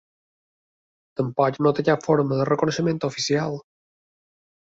Tampoc no té cap forma de reconeixement oficial.